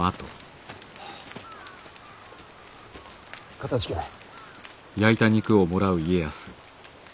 かたじけない。